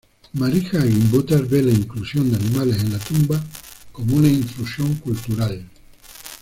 Marija Gimbutas ve la inclusión de animales en la tumba como una intrusión cultural.